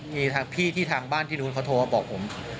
มีทางพี่ที่ทางบ้านที่นู้นเขาโทรมาบอกผม